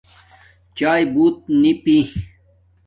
چاݵے بوت نی پی